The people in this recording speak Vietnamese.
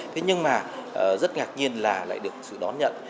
thế nhưng mà rất ngạc nhiên là lại được sự đón nhận